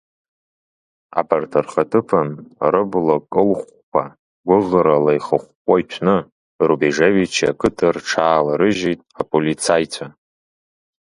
Абарҭ рхаҭыԥан, рыбла кылхәхәқәа гәыӷрыла ихыхәхәо иҭәны, Рубежевиче ақыҭа рҽааларыжьит аполицаицәа.